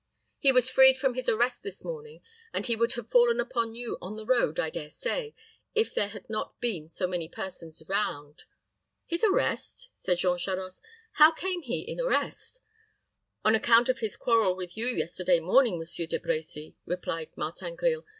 He was freed from his arrest this morning, and he would have fallen upon you on the road, I dare say, if there had not been so many persons round." "His arrest?" said Jean Charost. "How came he in arrest?" "On account of his quarrel with you yesterday morning. Monsieur De Brecy," replied Martin Grille.